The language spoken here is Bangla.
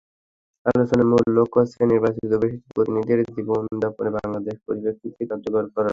আলোচনার মূল লক্ষ্য হচ্ছে নির্বাচিত বিষয়টি প্রতিদিনের জীবন-যাপনে বাংলাদেশ পরিপ্রেক্ষিতে কার্যকর করা।